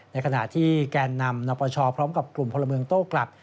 ในขณะที่แกนนำนปชพร้อมกับกลุ่มพลเมืองโต้กลับ